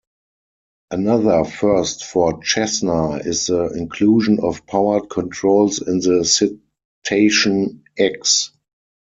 Another first for Cessna is the inclusion of powered controls in the Citation X.